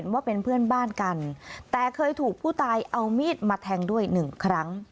ว่าเป็นเพื่อนบ้านกันแต่เคยถูกผู้ตายเอามีดมาแทงด้วยหนึ่งครั้ง